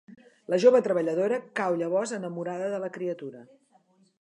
La jove treballadora cau llavors enamorada de la criatura.